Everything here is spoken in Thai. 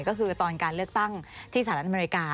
ก็คือตอนการเลือกตั้งที่สหรัฐอเมริกา